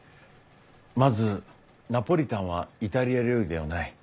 まずナポリタンはイタリア料理ではない。